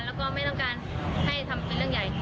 แล้วก็ไม่ต้องการให้ทำเป็นเรื่องใหญ่